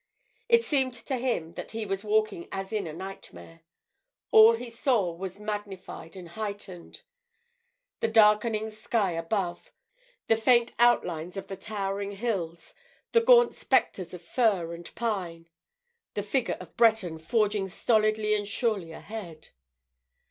It seemed to him that he was walking as in a nightmare; all that he saw was magnified and heightened; the darkening sky above; the faint outlines of the towering hills; the gaunt spectres of fir and pine; the figure of Breton forging stolidly and surely ahead.